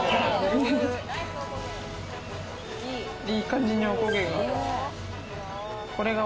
いい感じに、おこげが。